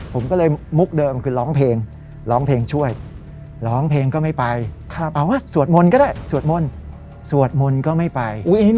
ผมก็เลยมุกเดิมคือร้องเพลงร้องเพลงช่วยร้องเพลงก็ไม่ไปเอาสวดมนต์ก็ได้สวดมนต์สวดมนต์ก็ไม่ไป